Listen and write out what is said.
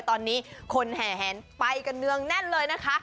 ตอนนี้คนแห่แหนไปกันเนืองแน่นเลยนะคะ